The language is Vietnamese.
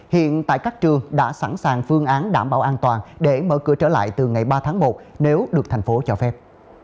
hiện tại các trường đã sẵn sàng phương án đảm bảo an toàn để mở cửa trở lại từ ngày ba tháng một nếu được thành phố cho phép